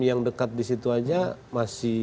yang dekat di situ aja masih